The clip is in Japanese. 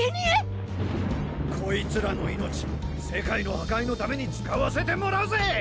コイツらの命世界の破壊のために使わせてもらうぜ！